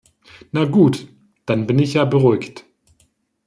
Na gut, dann bin ich ja beruhigt.